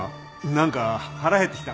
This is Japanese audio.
何か腹減ってきた。